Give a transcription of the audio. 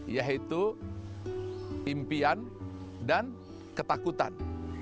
yaitu impian dan ketakutan